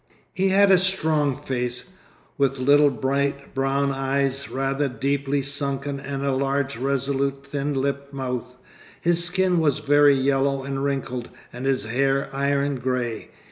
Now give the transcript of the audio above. He had a strong face, with little bright brown eyes rather deeply sunken and a large resolute thin lipped mouth. His skin was very yellow and wrinkled, and his hair iron gray.